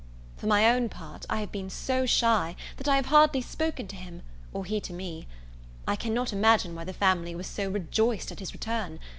For my own part, I have been so shy, that I have hardly spoken to him, or he to me. I cannot imagine why the family was so rejoiced at his return.